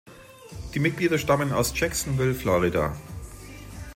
Die Mitglieder stammen aus Jacksonville, Florida.